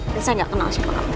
dan saya gak kenal siapa siapa